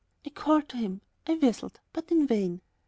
I called to him, I whistled, but in vain.